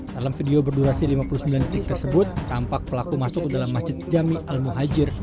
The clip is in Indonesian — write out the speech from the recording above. dalam video berdurasi lima puluh sembilan detik tersebut tampak pelaku masuk ke dalam masjid jami al muhajir